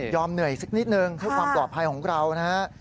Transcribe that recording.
เหนื่อยสักนิดนึงเพื่อความปลอดภัยของเรานะฮะ